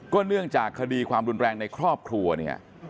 เนื่องจากคดีความรุนแรงในครอบครัวเนี่ย